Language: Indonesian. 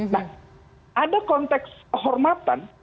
nah ada konteks kehormatan